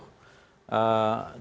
yang sangat berpengaruh